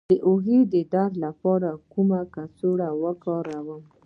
د اوږې د درد لپاره کومه کڅوړه وکاروم؟